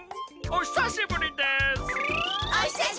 おひさしぶりです！